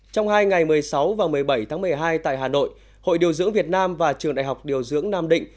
trong hai ngày một mươi sáu và một mươi bảy tháng một mươi hai tại hà nội hội điều dưỡng việt nam và trường đại học điều dưỡng nam định